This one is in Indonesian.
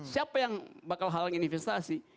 siapa yang bakal halangin investasi